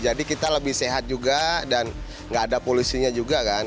jadi kita lebih sehat juga dan gak ada polusinya juga kan